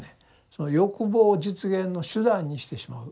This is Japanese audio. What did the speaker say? その欲望実現の手段にしてしまう。